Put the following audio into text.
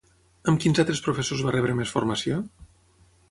Amb quins altres professors va rebre més formació?